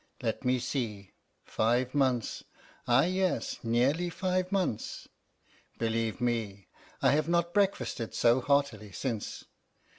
Let me see: five months ah yes, nearly five months. Believe me, I have not breakfasted so heartily since.